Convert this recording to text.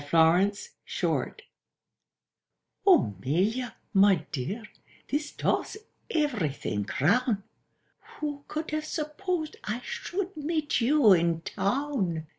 THE RUINED MAID "O 'Melia, my dear, this does everything crown! Who could have supposed I should meet you in Town?